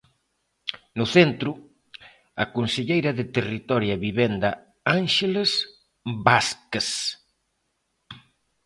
No centro, a conselleira de Territorio e Vivenda, Ánxeles Vázquez.